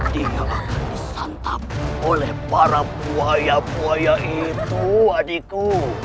dia disantap oleh para buaya buaya itu adikku